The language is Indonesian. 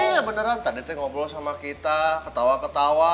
iya beneran tadi teh ngobrol sama kita ketawa ketawa